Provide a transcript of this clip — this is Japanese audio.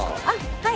はい。